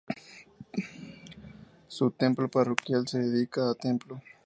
Su templo parroquial se dedica a templo.